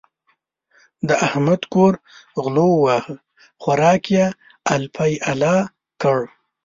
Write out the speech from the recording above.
د احمد کور غلو وواهه؛ خوراکی يې الپی الا کړ.